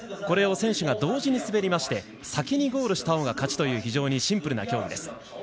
これを選手が同時に滑りまして先にゴールしたほうが勝ちというシンプルな競技です。